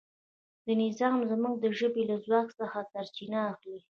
دا نظام زموږ د ژبې له ځواک څخه سرچینه اخلي.